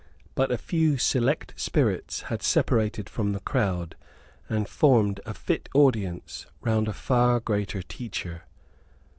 But a few select spirits had separated from the crowd, and formed a fit audience round a far greater teacher.